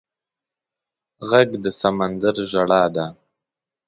غږ د سمندر ژړا ده